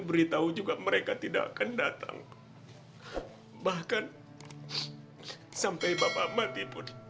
mereka sudah tidak punya bapak lagi